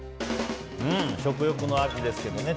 食欲の秋ですけどね。